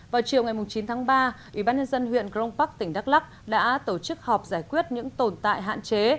vào chiều ngày chín tháng ba ủy ban nhân dân huyện crong park tỉnh đắk lắc đã tổ chức họp giải quyết những tồn tại hạn chế